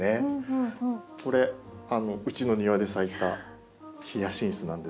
これうちの庭で咲いたヒヤシンスなんですけども。